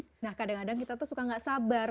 nah kadang kadang kita tuh suka gak sabar